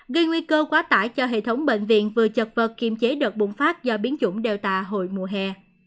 gây nguy cơ quá tải cho hệ thống bệnh viện vừa chật vật kiềm chế đợt bùng phát do biến dụng delta hồi mùa hè